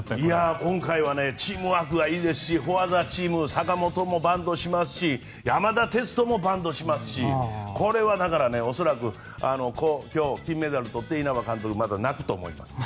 今回はチームワークがいいですしフォア・ザ・チーム坂本もバントしますし山田哲人もバントしますしこれは恐らく今日、金メダルを取って稲葉監督、また泣くと思います。